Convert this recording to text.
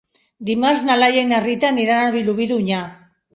Dimarts na Laia i na Rita aniran a Vilobí d'Onyar.